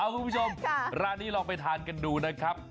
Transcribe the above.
คุณผู้ชมร้านนี้ลองไปทานกันดูนะครับ